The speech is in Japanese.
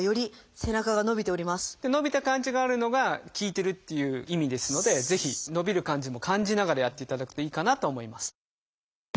伸びた感じがあるのが効いてるっていう意味ですのでぜひ伸びる感じも感じながらやっていただくといいかなと思います。